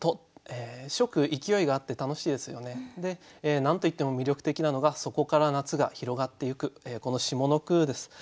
何といっても魅力的なのが「そこから夏が広がっていく」この下の句です。